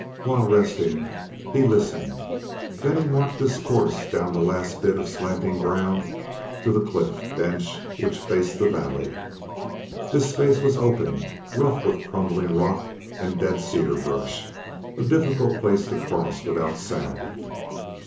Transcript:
While resting he listened. Then he marked his course down the last bit of slanting ground to the cliff bench which faced the valley. This space was open, rough with crumbling rock and dead cedar brush a difficult place to cross without sound.